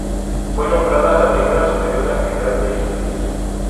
Fue nombrada la primera superiora general del instituto.